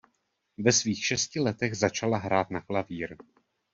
Ve svých šesti letech začala hrát na klavír.